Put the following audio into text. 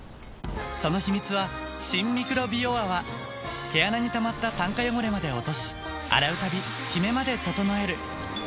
その秘密は毛穴にたまった酸化汚れまで落とし洗うたびキメまで整えるＮＥＷ！